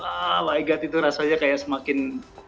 ah my god itu rasanya kayak semakin